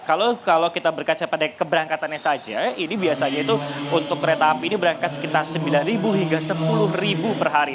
kalau kita berkaca pada keberangkatannya saja ini biasanya itu untuk kereta api ini berangkat sekitar sembilan hingga sepuluh per hari